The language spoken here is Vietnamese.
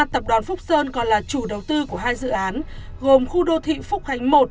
ba tập đoàn phúc sơn còn là chủ đầu tư của hai dự án gồm khu đô thị phúc khánh một